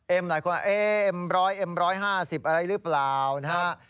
เอ็มร้อยเอ็มร้อยห้าสิบอะไรหรือเปล่านะฮะ